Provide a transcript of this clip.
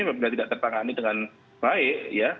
bila tidak tertangani dengan baik ya